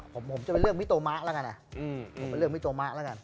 ผมจะไปเลือกมิโตมะละกันอะ